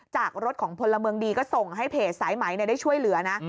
จากรถของพลเมืองดีก็ส่งให้เพจสายไหมได้ช่วยเหลือนะ